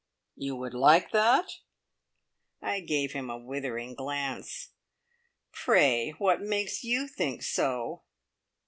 "You would like that?" I gave him a withering glance. "Pray what makes you think so?"